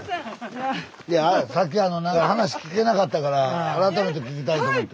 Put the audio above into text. いやさっき何か話聞けなかったから改めて聞きたいと思って。